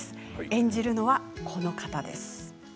演じるのはこの方です。